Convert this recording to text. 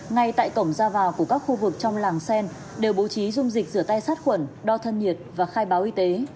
ngay tại cổng ra vào của các khu vực trong làng xen đều bố trí dung dịch rửa tay sát khuẩn đo thân nhiệt và khai báo y tế